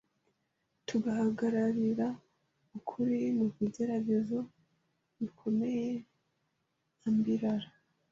tugahagararira ukuri mu bigeragezo bikomeyeambirira